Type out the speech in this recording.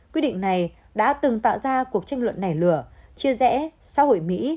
quyết định này đã từng tạo ra cuộc tranh luận nảy lửa chia rẽ xã hội mỹ